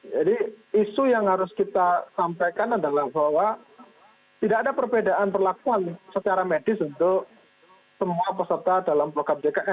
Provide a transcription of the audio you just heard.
jadi isu yang harus kita sampaikan adalah bahwa tidak ada perbedaan perlakuan secara medis untuk semua peserta dalam blokab jkn